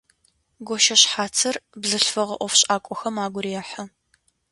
Гощэшъхьацыр бзылъфыгъэ ӏофшӏакӏохэм агу рехьы.